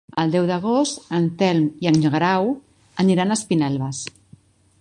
El deu d'agost en Telm i en Guerau aniran a Espinelves.